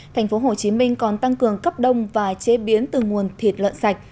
tp hcm còn tăng cường cấp đông và chế biến từ nguồn thịt lợn sạch